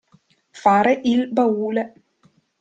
Fare il baule.